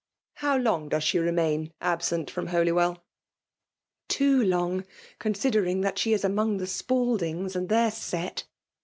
How long does she remain absent from Holy well?" ^' Too long* — considering that she is among the Spaldings — and their set